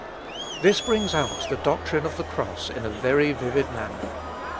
This brings out the doctrine of the cross in a very vivid manner.